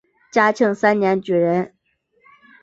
嘉庆三年举人。